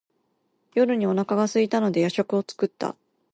夜にお腹がすいたので夜食を作った。